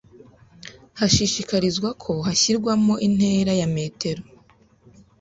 hashishikarizwa ko hashyirwamo intera ya metero